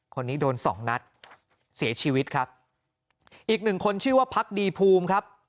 คนนี้โดนสองนัดเสียชีวิตครับอีกหนึ่งคนชื่อว่าพักดีภูมิครับ